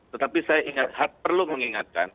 tetapi saya ingat perlu mengingatkan